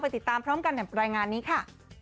ติดตามพร้อมกันในรายงานนี้ค่ะ